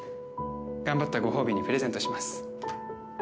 頑張ったご褒美にプレゼントします。